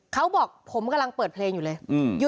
เขาบอกผมกำลังเปิดเพลงอยู่เลย